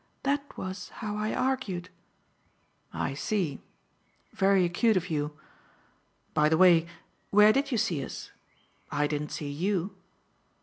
That was how I argued." "I see. Very acute of you. By the way, where did you see us? I didn't see you."